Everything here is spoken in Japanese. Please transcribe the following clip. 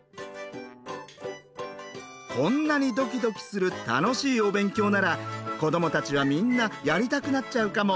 こんなにドキドキする楽しいお勉強なら子どもたちはみんなやりたくなっちゃうかも。